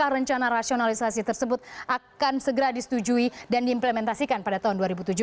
rencana rasionalisasi tersebut akan segera disetujui dan diimplementasikan pada tahun dua ribu tujuh belas